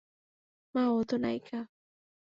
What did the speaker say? মা - ও তো নায়িকা।